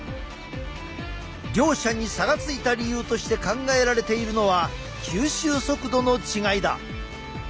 両者に差がついた理由として考えられているのは吸収速度の違いだ。